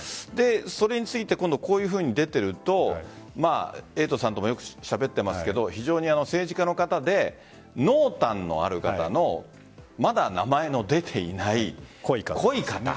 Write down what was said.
それについてこういうふうに出ているとエイトさんともよくしゃべっていますが非常に政治家の方で濃淡のある方のまだ名前の出ていない濃い方。